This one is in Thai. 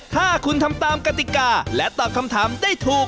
ถ้าคุณทำตามกติกาและตอบคำถามได้ถูก